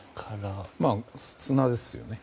砂ですよね。